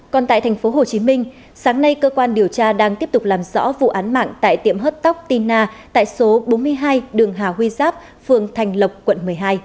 còn tại thành phố hồ chí minh sáng nay cơ quan điều tra đang tiếp tục làm rõ vụ án mạng tại tiệm hớt tóc tina tại số bốn mươi hai đường hà huy giáp phường thành lộc quận một mươi hai